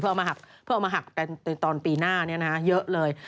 เพื่อเอามาหักตอนปีหน้าเยอะเลย